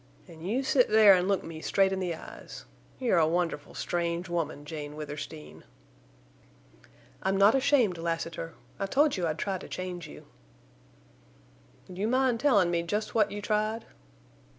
"An' you sit there an' look me straight in the eyes! You're a wonderful strange woman, Jane Withersteen." "I'm not ashamed, Lassiter. I told you I'd try to change you." "Would you mind tellin' me just what you tried?"